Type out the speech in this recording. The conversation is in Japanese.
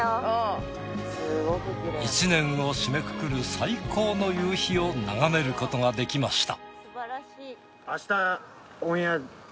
１年をしめくくる最高の夕日を眺めることができました。